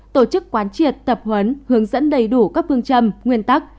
tổ chức quán triệt tập huấn hướng dẫn đầy đủ các phương châm nguyên tắc